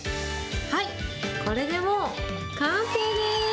はい、これでもう完成です。